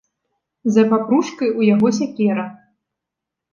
За папружкай у яго сякера.